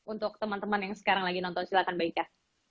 untuk teman teman yang sekarang lagi nonton silahkan baiknya